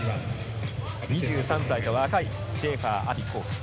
２３歳と若い、シェーファー・アヴィ幸樹。